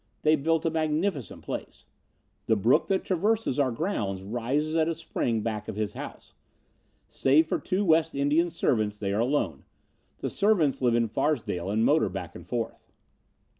They built a magnificent place. The brook that traverses our grounds rises at a spring back of his house. Save for two West Indian servants, they are alone. The servants live in Farsdale and motor back and forth."